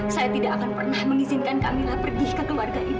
saya tidak akan pernah mengizinkan kamilah pergi ke keluarga ini